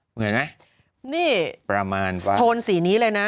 เห็นไหมนี่ประมาณว่าโทนสีนี้เลยน่ะ